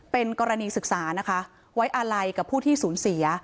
เป็นกรณีศึกษานะคะไว้อาลัยกับผู้ที่สูญเสีย